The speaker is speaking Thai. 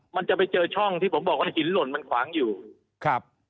มันจะไปเจอช่องที่ผมบอกว่าหินหล่นมันขวางอยู่ครับ